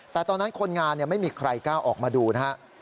แต่ตอนนั้นคนงานไม่มีใครกล้าออกมาดูนะครับ